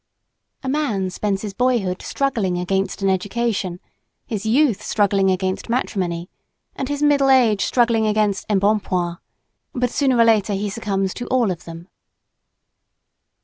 A man spends his boyhood struggling against an education, his youth struggling against matrimony and his middle age struggling against embonpoint; but sooner or later he succumbs to all of them.